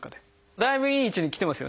だいぶいい位置にきてますよね。